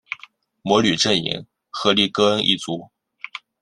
魔女阵营荷丽歌恩一族